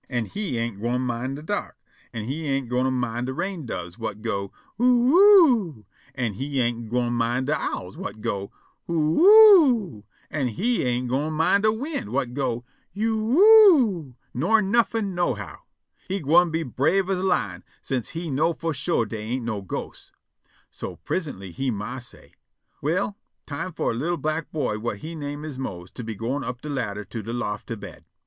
He ain' gwine min' de dark, an' he ain' gwine min' de rain doves whut go', "Oo oo o o o!" an' he ain' gwine min' de owls whut go', "Who whoo o o o!" an' he ain' gwine min' de wind whut go', "You you o o o!" nor nuffin', nohow. He gwine be brave as a lion, sence he know' fo' sure dey ain' no ghosts. So prisintly he ma say': "Well, time fo' a li'l' black boy whut he name is Mose to be gwine up de ladder to de loft to bed."